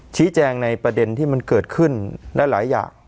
ชี้แจงในประเด็นที่มันเกิดขึ้นได้หลายอย่าง